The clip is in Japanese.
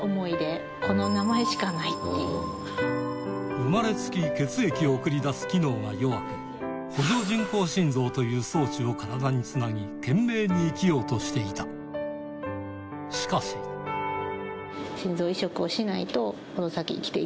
生まれつき血液を送り出す機能が弱くという装置を体につなぎ懸命に生きようとしていたしかしっていう診断で。